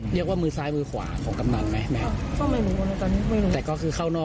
ปี๖๕วันเกิดปี๖๔ไปร่วมงานเช่นเดียวกัน